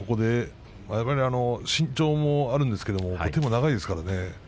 身長もあるんですけれども手も長いですからね。